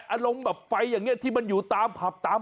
อารมณ์แบบไฟอย่างนี้ที่มันอยู่ตามผับตาม